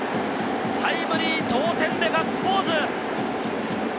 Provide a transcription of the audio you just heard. タイムリー、同点でガッツポーズ！